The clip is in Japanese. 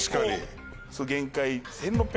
限界。